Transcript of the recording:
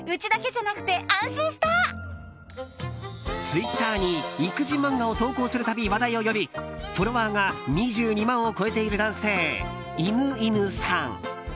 ツイッターに育児漫画を投稿する度、話題を呼びフォロワーが２２万を超えている男性犬犬さん。